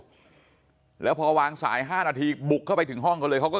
แล้วพอวางสาย๕นาทีบุกเข้าไปถึงห้องเขาเลยเขาก็